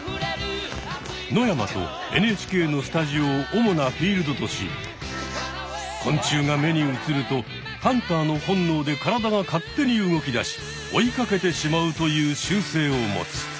野山とＮＨＫのスタジオを主なフィールドとし昆虫が目に映るとハンターの本能で体が勝手に動きだし追いかけてしまうという習性を持つ。